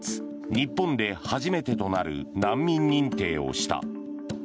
日本で初めてとなる難民認定をした。